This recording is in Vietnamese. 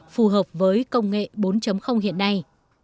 phù hợp với công nghệ bốn hiện nay